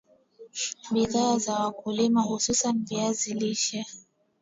bidhaa za wakulima hususan viazi lishe